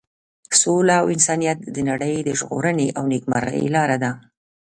سوله او انسانیت د نړۍ د ژغورنې او نیکمرغۍ لاره ده.